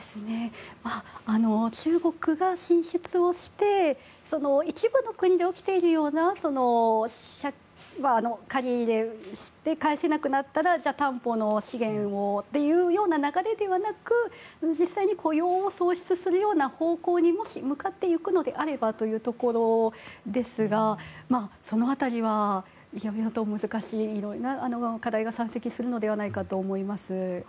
中国が進出をして一部の国で起きているような借り入れをして返せなくなったら担保の資源をという流れではなく実際に雇用を創出するような方向にもし、向かっていくのであればというところですがその辺りは、いろいろと難しいいろんな課題が山積するのではないかと思います。